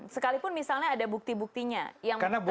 sekalipun misalnya ada bukti buktinya yang terkait dengan itu